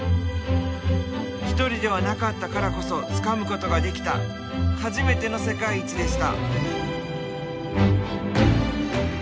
１人ではなかったからこそつかむことができた初めての世界一でした。